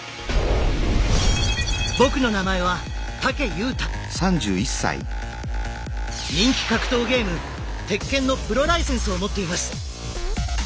僕の名前は人気格闘ゲーム「鉄拳」のプロライセンスを持っています。